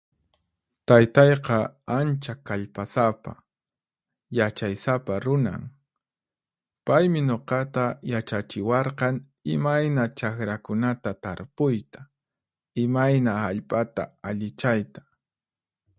Taytayqa ancha kallpasapa, yachaysapa runan. Paymi nuqata yachachiwarqan imayna chaqrakunata tarpuyta, imayna hallp'ata allichayta.